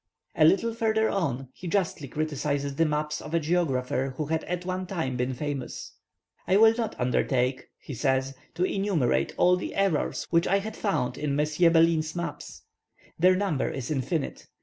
A little further on he justly criticizes the maps of a geographer who had at one time been famous. "I will not undertake," he says, "to enumerate all the errors which I have found in M. Bellin's maps. Their number is infinite.